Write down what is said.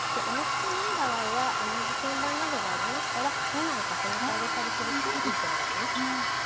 お持ちじゃない場合は同じ天板などがありましたら２枚重ねてあげたりするといいと思います。